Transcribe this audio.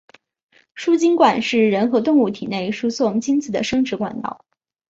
输精管是人和动物体内输送精子的生殖管道。